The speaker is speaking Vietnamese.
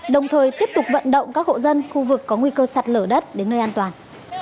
đồng thời tiếp tục vận động các hộ dân khu vực có nguy cơ sạt lở đất đến nơi an toàn